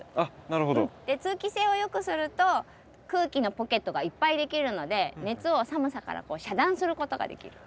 通気性をよくすると空気のポケットがいっぱいできるので熱を寒さから遮断することができる。